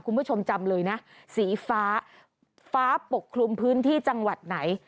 คุณผู้ชมจำเลยนะสีฟ้าฟ้าปกคลุมพื้นที่จังหวัดไหน